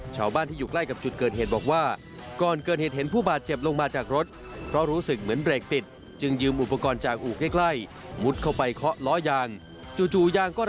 ส่วนที่จังหวัดทรงขราเกิดดูปัญตี้เฮศรถกระบะเสียหลักพุ่งลงทาง